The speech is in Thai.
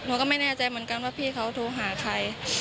ก็ไม่แน่ใจเหมือนกันว่าพี่เขาโทรหาใคร